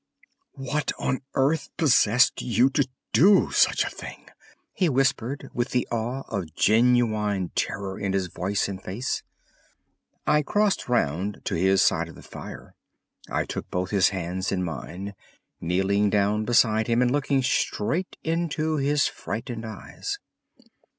"What on earth possessed you to do such a thing?" he whispered with the awe of genuine terror in his voice and face. I crossed round to his side of the fire. I took both his hands in mine, kneeling down beside him and looking straight into his frightened eyes.